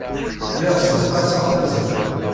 Lliɣ ssenqaseɣ tazzla.